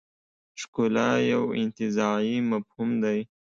ښکلا یو انتزاعي مفهوم دی.